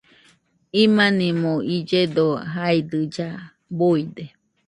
Imanimo illledo jaidɨlla, buide